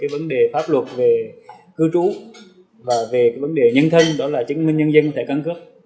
vấn đề pháp luật về cư trú và về vấn đề nhân thân đó là chứng minh nhân dân thẻ căn cước